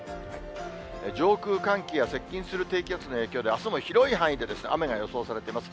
上空、寒気や接近する低気圧の影響で、あすも広い範囲で雨が予想されています。